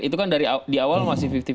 itu kan dari awal masih lima puluh lima puluh